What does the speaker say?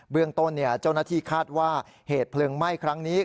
เรื่องต้นเจ้าหน้าที่คาดว่าเหตุเพลิงไหม้ครั้งนี้